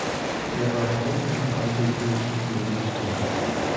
There are pomp and pageantry activities too.